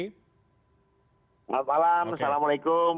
selamat malam assalamualaikum